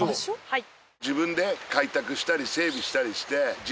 はい。